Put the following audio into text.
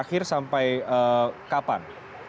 berakhir sampai kapan